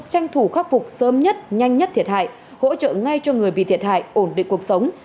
tranh thủ khắc phục sớm nhất nhanh nhất thiệt hại hỗ trợ ngay cho người bị thiệt hại ổn định cuộc sống